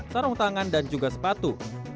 sarung tangan dan juga sepatu